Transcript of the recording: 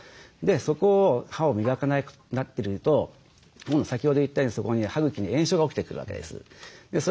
そこを歯を磨かなくなってると先ほど言ったようにそこに歯茎に炎症が起きてくるわけです。